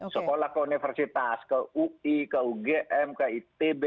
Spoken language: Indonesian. sekolah ke universitas ke ui ke ugm ke itb